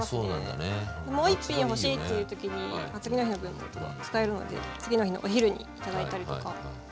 もう一品欲しいっていう時に次の日の分も使えるので次の日のお昼に頂いたりとか。